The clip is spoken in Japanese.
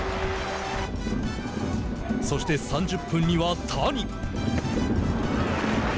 そして、３０分には谷。